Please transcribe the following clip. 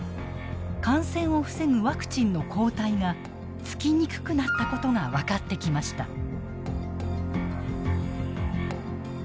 感染を防ぐワクチンの抗体がつきにくくなったことが分かってきました。